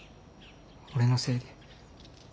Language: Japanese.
俺のせいで。